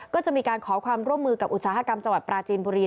ก็จะมีการขอความร่วมมือกับอุตสาหกรรมจังหวัดปราจีนบุรี